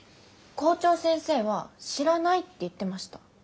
校長先生は「知らない」って言ってました。